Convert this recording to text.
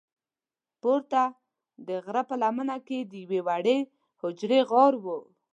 پورته د غره په لمنه کې د یوې وړې حجرې غار و.